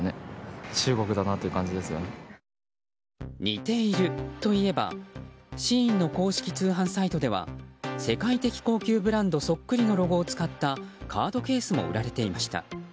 似ているといえばＳＨＥＩＮの公式通販サイトでは世界的高級ブランドそっくりのロゴを使ったカードケースも売られていました。